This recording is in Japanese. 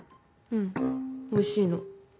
うんおいしいの。